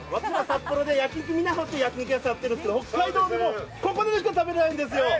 札幌で焼肉みなほっってやってるんですけど北海道でも、ここでしか食べられないんですよ。